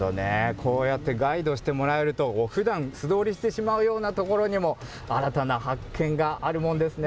こうやってガイドしてもらえると、ふだん素通りしてしまうようなところにも、新たな発見があるもんですね。